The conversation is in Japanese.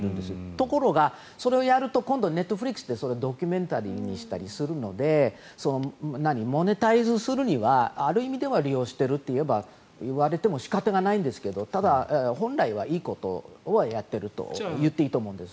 ところが、それをやると今度、ネットフリックスでドキュメンタリーにしたりするのでマネタイズするにはある意味では利用しているといわれても仕方がないんですがただ、本来はいいことをやっていると言っていいと思います。